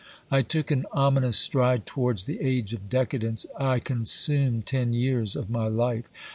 I took an ominous stride towards the age of decadence ; I consumed ten years of my life.